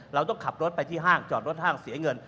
เราต้องขับรถไปที่ห้างจอดรถห้างเสียเงิน